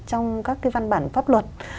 trong các cái văn bản pháp luật